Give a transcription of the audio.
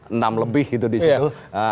enam lebih itu di situ